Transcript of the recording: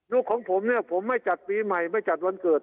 ของผมเนี่ยผมไม่จัดปีใหม่ไม่จัดวันเกิด